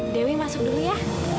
dewi masuk dulu ya